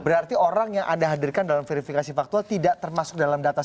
berarti orang yang anda hadirkan dalam verifikasi faktual tidak termasuk